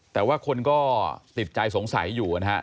แต่ว่าคนก็ติดใจสงสัยอยู่นะฮะ